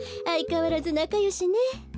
あいかわらずなかよしね。